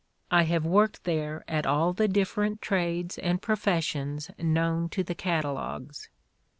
' I have worked there at all the different trades and professions known to the cata logues.